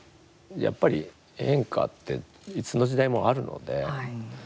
やっぱり変化っていつの時代もあるので。